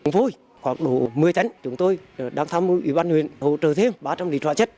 vô khoảng độ một mươi tấn chúng tôi đang thăm ủy ban huyện hỗ trợ thêm ba trăm linh lít hỏa chất